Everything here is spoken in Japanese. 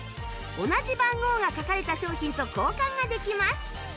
同じ番号が書かれた商品と交換ができます